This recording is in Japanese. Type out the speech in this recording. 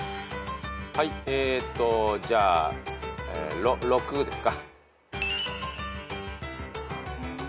はいえーっとじゃあ６ですか。